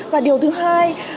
và điều thứ hai